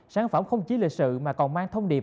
sản phẩm không chỉ là sự mà còn mang thông điệp